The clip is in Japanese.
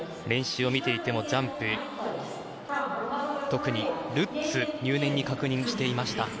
練習を見ていても特にルッツを入念に確認していました。